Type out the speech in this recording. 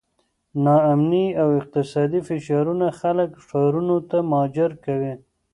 ناامني او اقتصادي فشارونه خلک ښارونو ته مهاجر کوي.